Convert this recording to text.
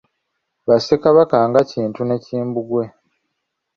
Ba ssekabaka nga Kintu ne Kimbugwe.